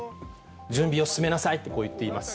準備を進めなさいと、こう言っています。